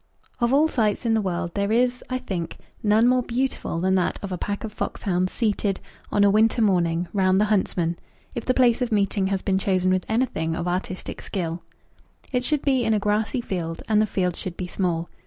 Of all sights in the world there is, I think, none more beautiful than that of a pack of fox hounds seated, on a winter morning, round the huntsman, if the place of meeting has been chosen with anything of artistic skill. It should be in a grassy field, and the field should be small.